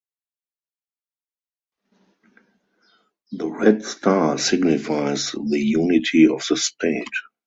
The red star signifies the unity of the state.